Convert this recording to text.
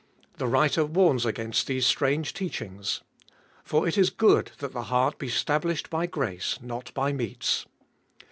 The writer warns against these strange teachings. For it is good that the heart be stablished by grace, not by meats.